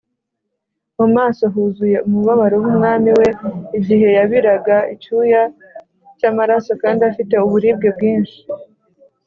mu maso huzuye umubabaro h’umwami we, igihe yabiraga icyuya cy’amaraso kandi afite uburibwe bwinshi,